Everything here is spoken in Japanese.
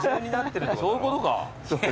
そういうことか。